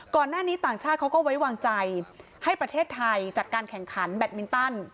ก่อนหน้านี้ต่างชาติเขาก็ไว้วางใจให้ประเทศไทยจัดการแข่งขันแบตมินตัน